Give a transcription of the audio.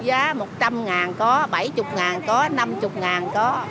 giá một trăm linh có bảy mươi ngàn có năm mươi có